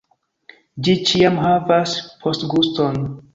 Ĝi ĉiam havas postguston